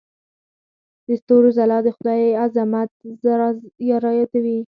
د ستورو ځلا د خدای عظمت رايادوي.